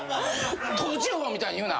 倒置法みたいに言うな。